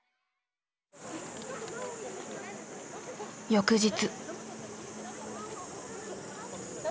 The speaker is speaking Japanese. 翌日。